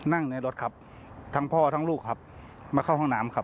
ในรถครับทั้งพ่อทั้งลูกครับมาเข้าห้องน้ำครับ